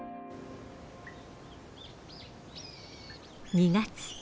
２月。